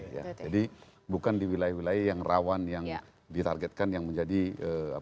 jadi bukan di wilayah wilayah yang rawan yang ditargetkan yang menjadi apa